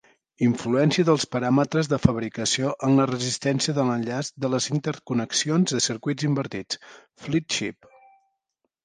Influència dels paràmetres de fabricació en la resistència de l'enllaç de les interconnexions de circuits invertits ("flip-chip").